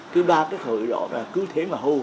cứ ba cái khẩu đó cứ thế mà hô